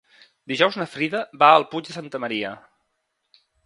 Dijous na Frida va al Puig de Santa Maria.